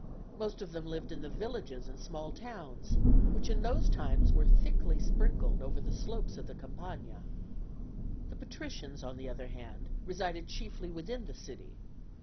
Most of them lived in the villages and small towns, which in those times were thickly sprinkled over the slopes of the Campagna. The patricians, on the other hand, resided chiefly within the city.